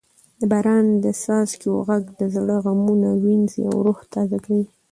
د باران د څاڅکو غږ د زړه غمونه وینځي او روح تازه کوي.